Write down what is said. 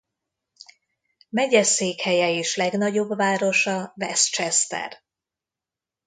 Megyeszékhelye és legnagyobb városa West Chester.